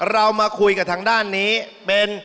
ตัวนี้มันโอเค